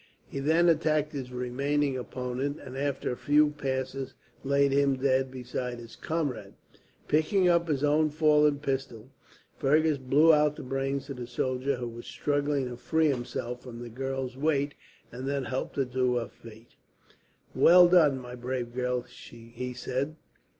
He then attacked his remaining opponent, and after a few passes laid him dead beside his comrade. Picking up his own fallen pistol, Fergus blew out the brains of the soldier, who was struggling to free himself from the girl's weight, and then helped her to her feet. "Well done, my brave girl!" he said.